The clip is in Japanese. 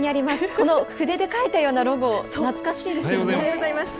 この筆で書いたようなロゴ、懐かおはようございます。